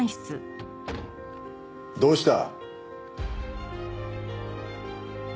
どうした？